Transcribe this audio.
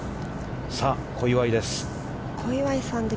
さあ、小祝です。